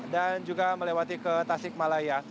dan juga melewati ke tasik malaya